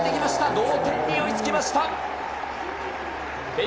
同点に追いつきました。